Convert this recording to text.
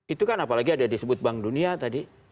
itu kan apalagi ada disebut bank dunia tadi